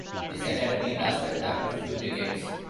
This academy lasted after few decades.